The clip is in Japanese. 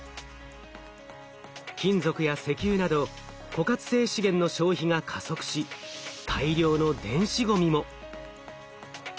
金属や石油など枯渇性資源の消費が加速し大量の電子ごみも。